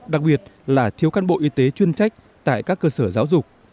đặc biệt là thiếu căn bộ y tế chuyên trách tại các cơ sở giáo dục